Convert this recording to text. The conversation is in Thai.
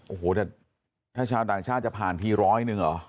โอ้โหแต่ถ้าชาวต่างชาติจะผ่านพีร้อยหนึ่งเหรอ